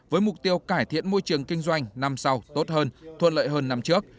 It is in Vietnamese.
với mục tiêu cải thiện môi trường kinh doanh năm sau tốt hơn thuận lợi hơn năm trước